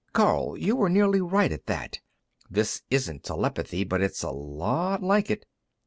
Karl! You were nearly right, at that. This isn't telepathy, but it's a lot like it."